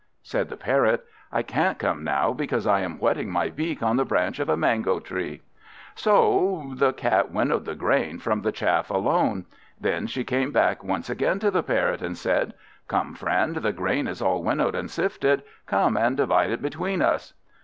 Said the Parrot, "I can't come now, because I am whetting my beak on the branch of a mango tree." So the Cat winnowed the grain from the chaff alone. Then she came back once again to the Parrot, and said "Come, friend, the grain is all winnowed and sifted; come and divide it between us."